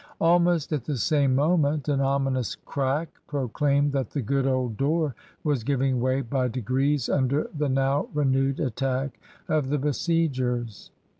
Almost at the same moment an ominous crack proclaimed that the good old door was giving way by degrees under the now renewed attack of the besiegers.